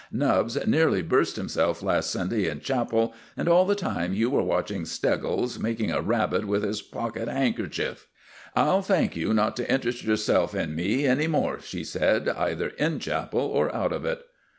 "Nubbs nearly burst himself last Sunday in chapel; and all the time you were watching Steggles making a rabbit with his pocket handkerchief." "I'll thank you not to interest yourself in me any more," she said, "either in chapel or out of it."